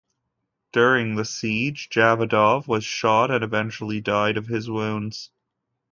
During the siege, Javadov was shot and eventually died of his wounds.